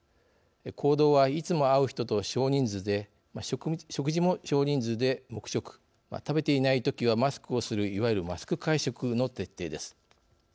行動はいつも会う人と少人数で食事も少人数で黙食食べていないときはマスクをする、いわゆる「マスク会食」の徹底です。